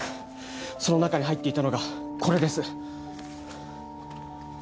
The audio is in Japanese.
その中に入っていたのがこれです